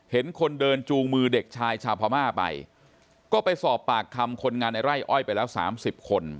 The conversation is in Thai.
เห็นคนเดินจูงมือเด็กชายชาวพม่าไปก็ไปสอบปากคำคนงานในไร่อ้อยไปแล้วสามสิบคน